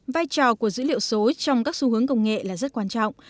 vai trò của dữ liệu số trong các xu hướng công nghệ là rất quan trọng